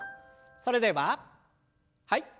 それでははい。